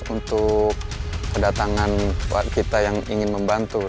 untuk kedatangan kita yang ingin membantu